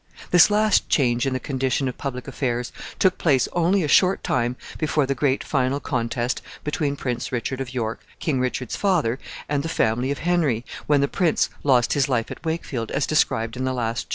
This last change in the condition of public affairs took place only a short time before the great final contest between Prince Richard of York, King Richard's father, and the family of Henry, when the prince lost his life at Wakefield, as described in the last chapter.